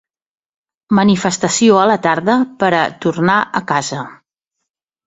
Manifestació a la tarda per a ‘tornar a casa’